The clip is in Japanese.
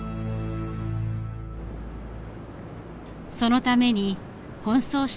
そのために奔走した人がいる。